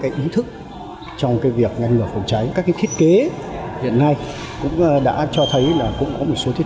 ý thức trong việc ngăn ngừa phòng cháy các thiết kế hiện nay cũng đã cho thấy là cũng có một số thiết